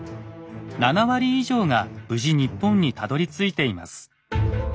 ７割以上が無事日本にたどりついています。